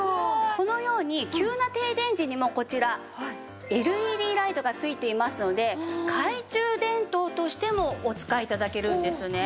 このように急な停電時にもこちらＬＥＤライトが付いていますので懐中電灯としてもお使い頂けるんですね。